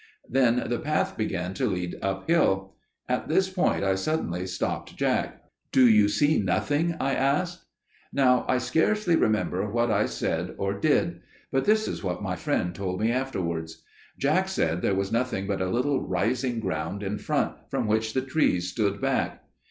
"Then the path began to lead uphill. At this point I suddenly stopped Jack. "'Do you see nothing?' I asked. "Now I scarcely remember what I said or did. But this is what my friend told me afterwards. Jack said there was nothing but a little rising ground in front, from which the trees stood back.